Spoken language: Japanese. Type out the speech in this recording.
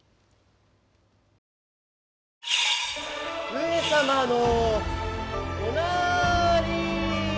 ・上様のおなーりー。